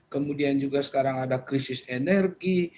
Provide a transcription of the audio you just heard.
kemudian juga sekarang ada krisis energi